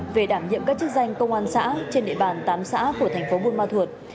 về đảm nhiệm các chức danh công an xã trên địa bàn tám xã của thành phố buôn ma thuột